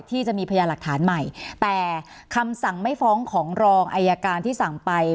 ที่จะมีพยานหลักฐานใหม่แต่คำสั่งไม่ฟ้องของรองอายการที่สั่งไป